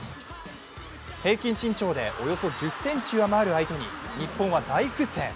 平均身長でおよそ１０ｃｍ上回る相手に日本は大苦戦。